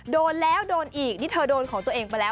โดนแล้วโดนอีกนี่เธอโดนของตัวเองไปแล้ว